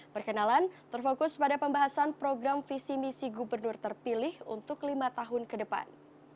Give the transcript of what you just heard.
perkenalan terfokus pada pembahasan program visi misi gubernur terpilih untuk lima tahun ke depan